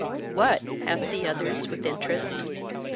"What?" asked the others, with interest.